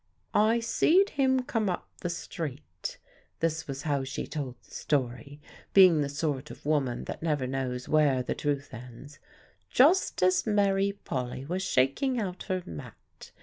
"I see'd him come up the street" this was how she told the story, being the sort of woman that never knows where the truth ends "just as Mary Polly was shaking out her mat.